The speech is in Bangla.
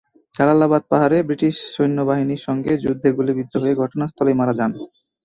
জালালাবাদ পাহাড়ে ব্রিটিশ সৈন্যবাহিনীর সংগে যুদ্ধে গুলিবিদ্ধ হয়ে ঘটনাস্থলেই মারা যান।